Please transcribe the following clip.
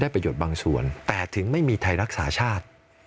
ประโยชน์บางส่วนแต่ถึงไม่มีไทยรักษาชาติ